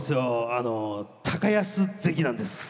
あの安関なんです。